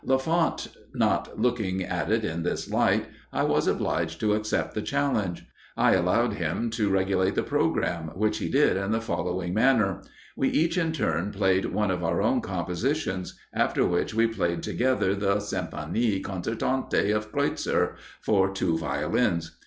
Lafont not looking at it in this light, I was obliged to accept the challenge. I allowed him to regulate the programme, which he did in the following manner: We each in turn played one of our own compositions, after which we played together the "Symphonie concertante" of Kreutzer, for two Violins.